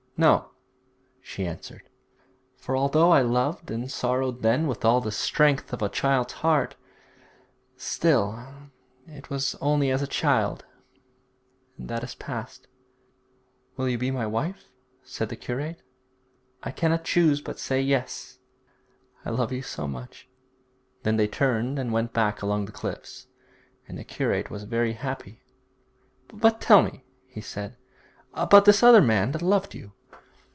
'No,' she answered; 'for although I loved and sorrowed then with all the strength of a child's heart, still it was only as a child, and that is past.' 'Will you be my wife?' said the curate. 'I cannot choose but say "yes," I love you so much.' Then they turned and went back along the cliffs, and the curate was very happy. 'But tell me,' he said, 'about this other man that loved you.'